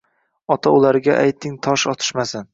Ota ularga ayting tosh otishmasin